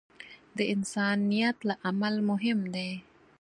د انسان نیت له عمل مهم دی.